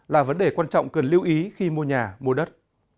là vấn đề quan trọng cần lưu ý khi mua nhà mua đất